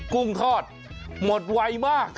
กุ้งทอดหมดไวมาก